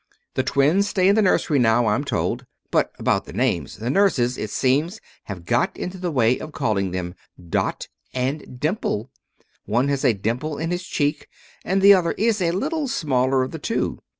The twins stay in the nursery now, I'm told. But about the names the nurses, it seems, have got into the way of calling them 'Dot' and 'Dimple.' One has a dimple in his cheek, and the other is a little smaller of the two.